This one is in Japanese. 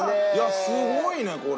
すごいねこれ！